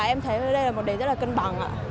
em thấy đây là một đề rất cân bằng